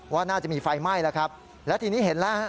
ว่าน่าจะมีไฟไหม้แล้วครับแล้วทีนี้เห็นแล้วฮะ